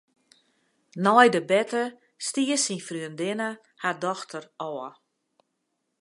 Nei de berte stie syn freondinne har dochter ôf.